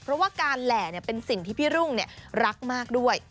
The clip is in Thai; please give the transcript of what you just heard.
เพราะว่าการแหล่เป็นสิ่งที่พี่รุ่งรักมากด้วย